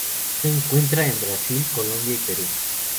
Se encuentra en Brasil, Colombia y Perú.